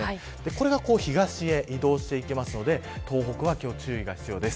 これが東へ移動していきますので東北は注意が必要です。